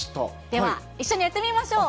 では、一緒にやってみましょう。